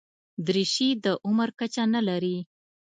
دریشي د عمر کچه نه لري.